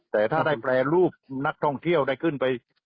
แต่ถ้าได้แปรรูปนักท่องเที่ยวได้ขึ้นไป